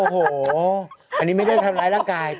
โอ้โหอันนี้ไม่ได้ทำร้ายร่างกาย